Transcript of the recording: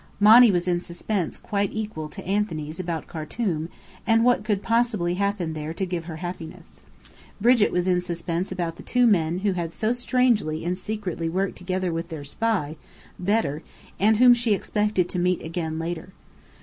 Monny was in suspense quite equal to Anthony's about Khartum, and what could possibly happen there to give her happiness. Brigit was in suspense about the two men who had so strangely and secretly worked with their spy, Bedr, and whom she expected to meet again later.